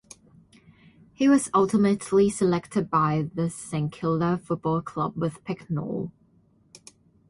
He was ultimately selected by the St Kilda Football Club with pick no.